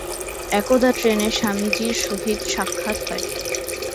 একদা ট্রেনে স্বামীজীর সহিত সাক্ষাৎ হয়।